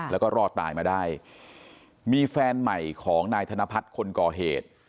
แล้วก็รอดตายมาได้มีแฟนใหม่ของนายธนพัฒน์คนก่อเหตุ